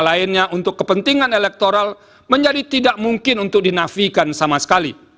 lainnya untuk kepentingan elektoral menjadi tidak mungkin untuk dinafikan sama sekali